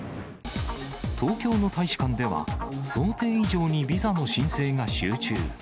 東京の大使館では、想定以上にビザの申請が集中。